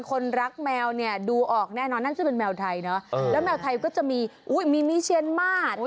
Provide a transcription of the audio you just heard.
คนรักแมวเนี่ยดูออกแน่นอนนั่นซึ่งเป็นแมวไทยเนอะแล้วแมวไทยก็จะมีมีเชียนมาส